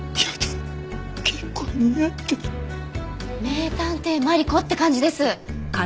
『名探偵マリコ』って感じです。